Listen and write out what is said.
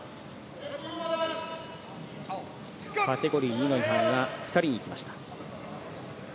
カテゴリー２の違反が２人に来ました。